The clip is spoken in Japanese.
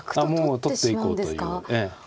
もう取っていこうという。